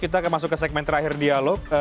kita akan masuk ke segmen terakhir dialog